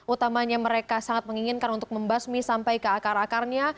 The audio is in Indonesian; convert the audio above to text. utamanya mereka sangat menginginkan untuk membasmi sampai ke akar akarnya